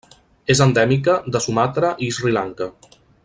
És endèmica de Sumatra i Sri Lanka.